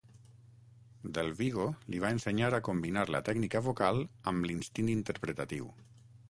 Del Vigo li va ensenyar a combinar la tècnica vocal amb l'instint interpretatiu.